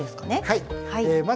はい。